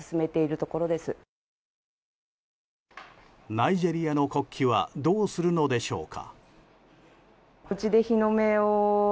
ナイジェリアの国旗はどうするのでしょうか。